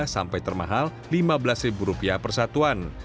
sampai termahal rp lima belas persatuan